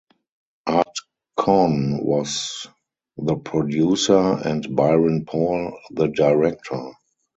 Art Cohn was the producer and Byron Paul the director.